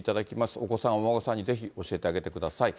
お子さん、お孫さんにぜひ教えてあげてください。